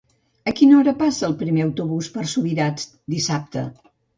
A quina hora passa el primer autobús per Subirats dissabte?